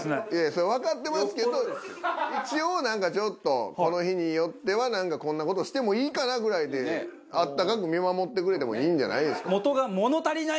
それはわかってますけど一応なんかちょっとその日によってはなんかこんな事してもいいかなぐらいで温かく見守ってくれてもいいんじゃないですか？